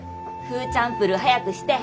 フーチャンプルー早くして。